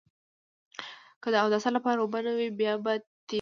که د اوداسه لپاره اوبه نه وي بيا به تيمم وهل کېده.